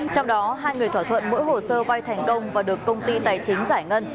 trong đó hai người thỏa thuận mỗi hồ sơ vay thành công và được công ty tài chính giải ngân